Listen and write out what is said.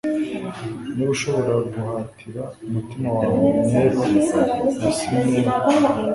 Niba ushobora guhatira umutima wawe neru na sinew